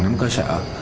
nắm cơ sở